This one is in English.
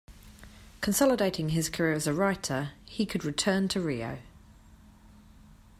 Consolidating his career as a writer, he could return to Rio.